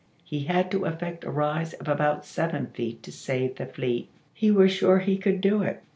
He had to effect a rise of about seven feet to save the fleet. He was sure he could do it.